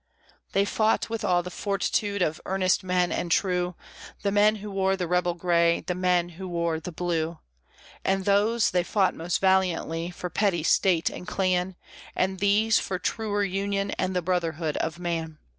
They fought with all the fortitude of earnest men and true The men who wore the rebel gray, the men who wore the blue; And those, they fought most valiantly for petty state and clan, And these, for truer Union and the brotherhood of man.